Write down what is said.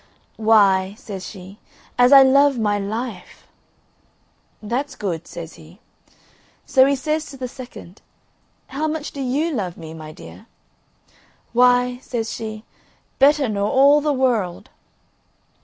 "Why," says she, "as I love my life." "That's good," says he. So he says to the second, "How much do you love me, my dear?" "Why," says she, "better nor all the world."